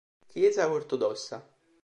Chiesa Ortodossa.